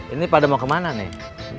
ini pada mau kemana nih